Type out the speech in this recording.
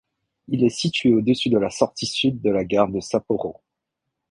Il est situé au-dessus de la sortie sud de la gare de Sapporo.